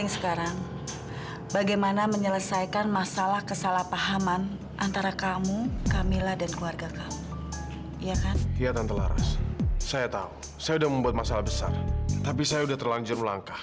sampai jumpa di video selanjutnya